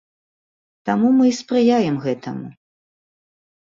Таму мы і спрыяем гэтаму.